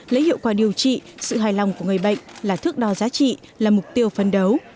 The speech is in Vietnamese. lấy hiệu quả điều trị sự hài lòng của người bệnh là thước đo giá trị là mục tiêu phấn đấu